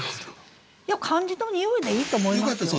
いや漢字の「匂い」でいいと思いますよ。